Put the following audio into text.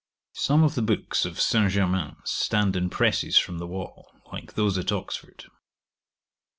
'Some of the books of St. Germain's stand in presses from the wall, like those at Oxford.